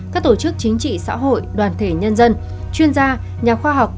các tổ chức chính trị xã hội đoàn thể nhân dân chuyên gia nhà khoa học